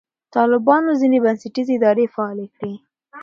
طالبانو ځینې بنسټیزې ادارې فعاله کړې.